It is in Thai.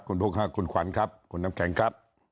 คุณบุ๊คคุณขวัญครับคุณน้ำแข็งครับ